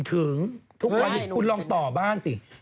ทุกวันคุณลองต่อบ้านสิ